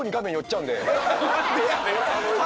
何でやねん！